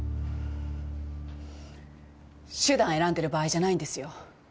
手段選んでる場合じゃないんですよ。